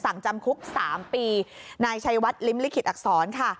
สั่งจำคุกสามปีนายชายวัดลิมลิขิตอักษรค่ะ